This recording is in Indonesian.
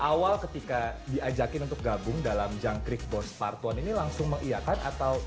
awal ketika diajakin untuk gabung dalam jangkrik bos part satu ini langsung mengiyakan atau